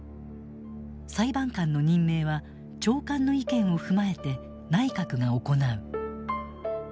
裁判官の任命は長官の意見を踏まえて内閣が行う。